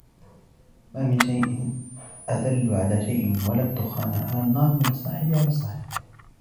مَا مِنْ شَيْءٍ أَدَلُّ عَلَى شَيْءٍ وَلَا الدُّخَانِ عَلَى النَّارِ مِنْ الصَّاحِبِ عَلَى الصَّاحِبِ